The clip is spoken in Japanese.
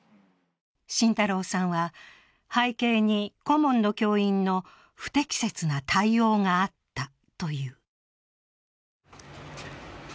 信太郎さんは、背景に、顧問の教員の不適切な対応があったという。